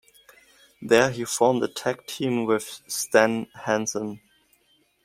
There he formed a tag team with Stan Hansen.